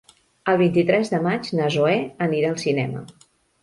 El vint-i-tres de maig na Zoè anirà al cinema.